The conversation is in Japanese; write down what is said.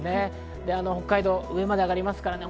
北海道、上まで上がりますからね。